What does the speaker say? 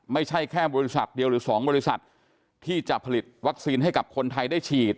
ไม่ใช่แค่บริษัทเดียวหรือ๒บริษัทที่จะผลิตวัคซีนให้กับคนไทยได้ฉีด